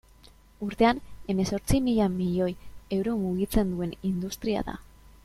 Urtean hemezortzi mila milioi euro mugitzen duen industria da.